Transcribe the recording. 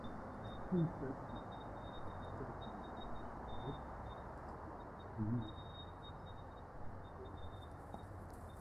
Two sets of tabs (curtains) are also installed and used for most performances.